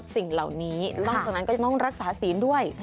สิ่งเหล่านี้นอกจากนั้นก็จะต้องรักษาศีลด้วย